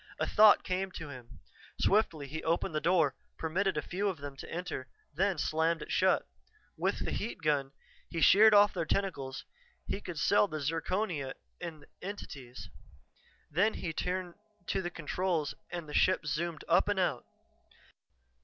A thought came to him; swiftly he opened the door, permitted a few of them to enter, then slammed it shut. With the heat gun he sheared off their tentacles; he could sell the zirconia in the entities. Then he turned to the controls and the ship zoomed up and out.